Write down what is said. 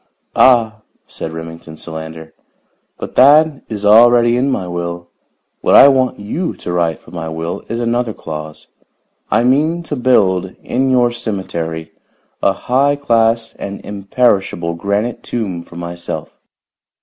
"Ah!" said Remington Solander. "But that is already in my will. What I want you to write for my will, is another clause. I mean to build, in your cemetery, a high class and imperishable granite tomb for myself.